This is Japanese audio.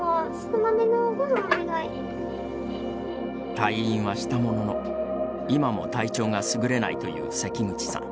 退院はしたものの、今も体調がすぐれないという関口さん。